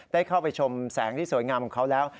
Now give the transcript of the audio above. ได้เข้าไปชมแสงที่สวยงามของเขาแล้ว